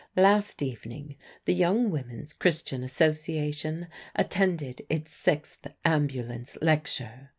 Last evening the Young Women's Christian Association attended its sixth Ambulance lecture.